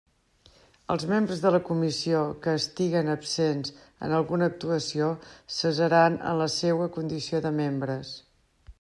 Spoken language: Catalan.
Els membres de la comissió que estiguen absents en alguna actuació cessaran en la seua condició de membres.